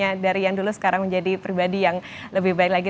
karena dari yang dulu sekarang menjadi pribadi yang lebih baik lagi